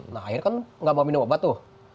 nah air kan nggak mau minum obat tuh